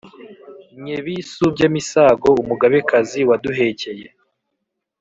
Ny’ebisu by’emisango Umugabekazi waduhekeye